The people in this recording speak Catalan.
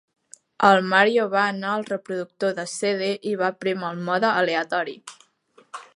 El Mario va anar al reproductor de CD i va prémer el mode aleatori.